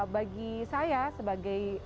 bagi saya sebagai pemerintah